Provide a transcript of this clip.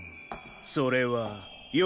それはよ